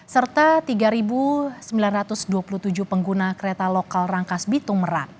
serta tiga sembilan ratus dua puluh tujuh pengguna kereta lokal rangkas bitung merak